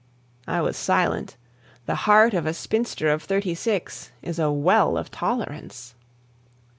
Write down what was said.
I was silent. The heart of a spinster of thirty six is a well of tolerance.